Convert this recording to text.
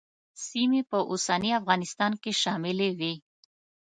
سیمې په اوسني افغانستان کې شاملې وې.